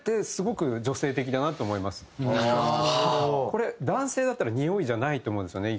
これ男性だったら「匂い」じゃないと思うんですよね